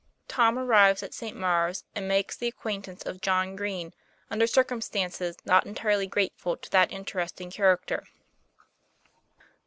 TOM A RRIVES AT ST. MA URE 1 S A ND MA KES THE A CQ UA IN T ANCE OF JOHN GREEN UNDER CIRCUMSTANCES NOT ENTIRELY GRATEFUL TO THAT INTERESTING CHAR A CTER.